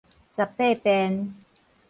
十八汴